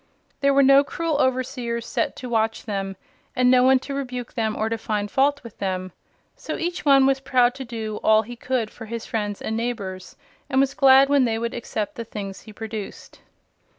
There were no cruel overseers set to watch them, and no one to rebuke them or to find fault with them. So each one was proud to do all he could for his friends and neighbors, and was glad when they would accept the things he produced.